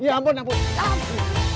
ya ampun ya ampun ya ampun